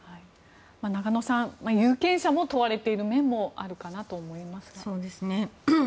中野さん、有権者も問われている面もあるかなと思いますね。